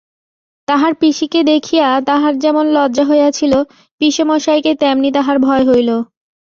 তাহার পিসিকে দেখিয়া তাহার যেমন লজ্জা হইয়াছিল, পিসেমশায়কে তেমনি তাহার ভয় হইল।